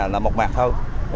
là một mặt thôi